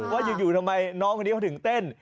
ว่าอยู่ทำไมน้องคนนี้เขาถึงเต้น